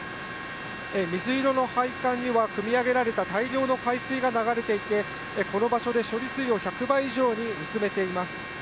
水色の配管には、くみ上げられた大量の海水が流れていて、この場所で処理水を１００倍以上に薄めています。